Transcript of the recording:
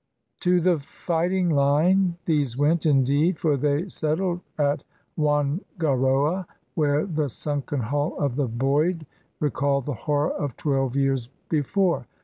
To the fighting line these went, indeed; for they settled at Whangaroa, where the sunken hull of the Boyd re called the horror of twelve years before.